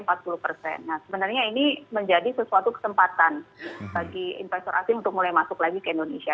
nah sebenarnya ini menjadi sesuatu kesempatan bagi investor asing untuk mulai masuk lagi ke indonesia